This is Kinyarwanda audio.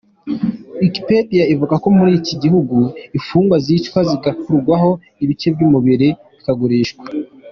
Wikipedia ivuga ko muri iki gihugu imfungwa zicwa zigakurwaho ibice by’umubiri bikagurishwa.